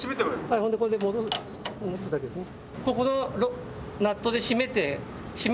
はいほんでこれで戻すだけですね